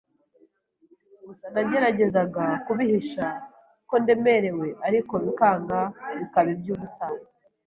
gusa nageragezaga kubihisha ko ndemerewe ariko bikanga bikaba iby’ubusa.